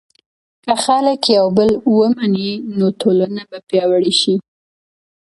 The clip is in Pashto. که خلک یو بل ومني، نو ټولنه به پیاوړې شي.